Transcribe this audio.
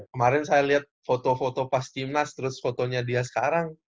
kemarin saya liat foto foto pas tim nas terus fotonya dia sekarang